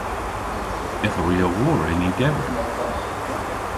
Ytho i a wor yn y gever.